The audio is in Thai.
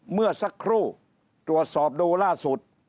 เมื่อสักครู่ตรวจสอบดูล่าสุด